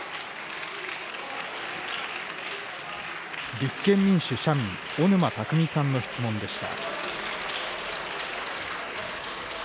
立憲民主・社民、小沼巧さんの質問でした。